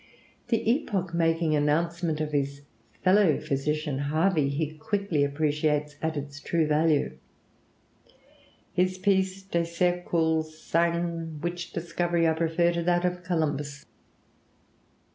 The epoch making announcement of his fellow physician Harvey he quickly appreciates at its true value: "his piece 'De Circul. Sang.,' which discovery I prefer to that of Columbus."